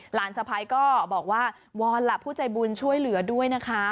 หลานสะพ้ายก็บอกว่าวอนล่ะผู้ใจบุญช่วยเหลือด้วยนะคะ